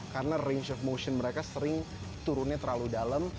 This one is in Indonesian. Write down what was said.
karena range of motion mereka sering turunnya terlalu dalam